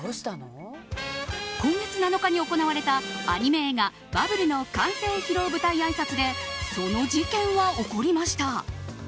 今月７日に行われたアニメ映画「バブル」の完成披露舞台あいさつでその事件は起こりました。